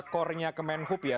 core nya kemenhub ya